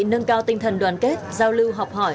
nâng cao tinh thần đoàn kết giao lưu học hỏi